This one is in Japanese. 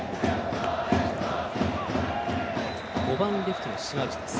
５番レフトの島内です。